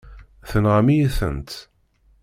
Tenɣam-iyi-tent.